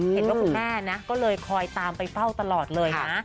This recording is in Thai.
เห็นว่าคุณแม่นะก็เลยคอยตามไปเฝ้าตลอดเลยค่ะ